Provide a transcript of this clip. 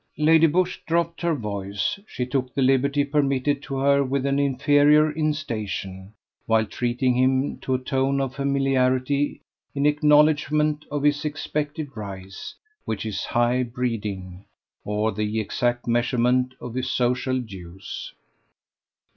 Lady Busshe dropped her voice. She took the liberty permitted to her with an inferior in station, while treating him to a tone of familiarity in acknowledgment of his expected rise; which is high breeding, or the exact measurement of social dues.